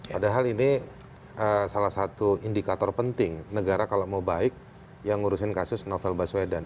padahal ini salah satu indikator penting negara kalau mau baik yang ngurusin kasus novel baswedan